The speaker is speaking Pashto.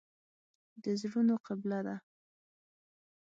د زړونو قبله ده.